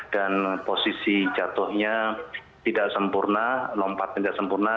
dan posisi jatuhnya tidak sempurna lompatnya tidak sempurna